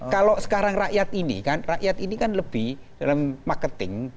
kalau sekarang rakyat ini kan lebih dalam marketing